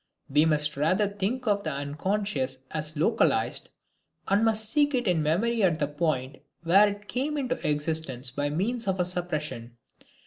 We must rather think of the unconscious as localized, and must seek it in memory at the point where it came into existence by means of a suppression.